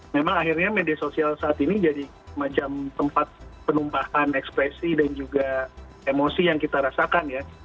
memang akhirnya media sosial saat ini jadi semacam tempat penumpahan ekspresi dan juga emosi yang kita rasakan ya